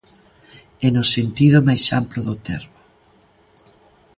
E no sentido máis amplo do termo!